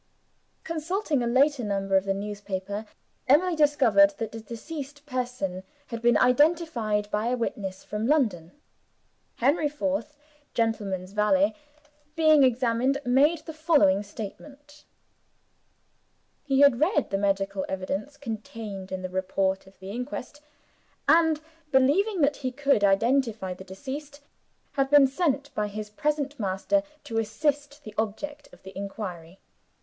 ........ Consulting a later number of the newspaper Emily discovered that the deceased person had been identified by a witness from London. Henry Forth, gentleman's valet, being examined, made the following statement: He had read the medical evidence contained in the report of the inquest; and, believing that he could identify the deceased, had been sent by his present master to assist the object of the inquiry.